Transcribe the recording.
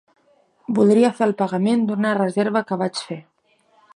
Voldria fer el pagament d'una reserva que vaig fer.